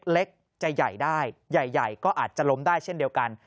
เล็กจะใหญ่ได้ใหญ่ก็อาจจะล้มได้เช่นเดียวกัน